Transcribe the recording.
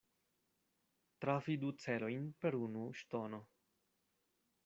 Trafi du celojn per unu ŝtono.